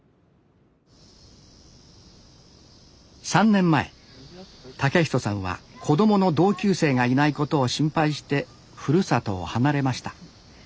３年前健人さんは子どもの同級生がいないことを心配してふるさとを離れました。